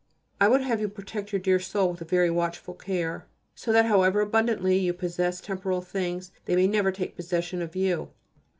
I would have you protect your dear soul with a very watchful care, so that however abundantly you possess temporal things they may never take possession of you.